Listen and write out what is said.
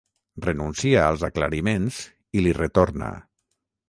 Renuncia als aclariments i li retorna.